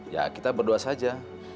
ya kita berdua saja